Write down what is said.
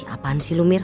apaan sih lu mir